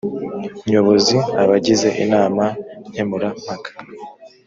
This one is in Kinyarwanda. nyobozi abagize inama nkemura mpaka